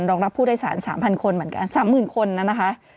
รองรับผู้โดยสาร๓๐๐คนเหมือนกัน๓๐๐๐คนนะคะ